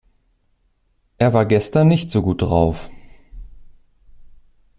Er war gestern nicht so gut drauf.